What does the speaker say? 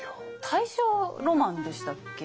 大正ロマンでしたっけ？